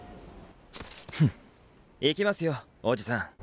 フン行きますよおじさん。